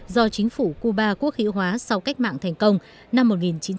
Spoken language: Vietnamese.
do chính phủ cuba quốc hữu hóa sau cách mạng thành công năm một nghìn chín trăm bốn mươi năm